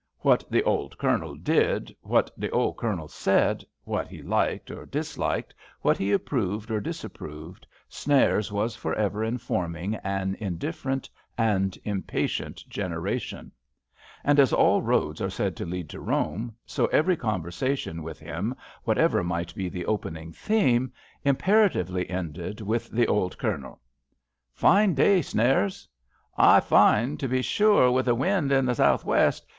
What th' old Cournd did, what th' old Cournel said, what he liked or disliked, what he approved or disapproved, Snares was for ever informing an indifferent and impatient generation; and as all roads are said to lead to Rome, so every conversation, with him, whatever might be the opening theme, imperatively ended with th' old Cournel. Fine day, Snares !" Ay, fine, to be sure, wi' the wind i' the sou' west.